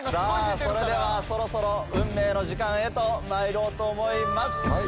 それではそろそろ運命の時間へとまいろうと思います。